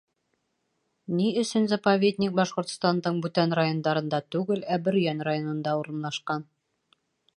Ни өсөн заповедник Башҡортостандың бүтән райондарында түгел, ә Бөрйән районында урынлашҡан?